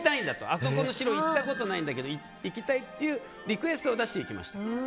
あそこの城行ったことがないから行きたいというリクエストを出して行きました。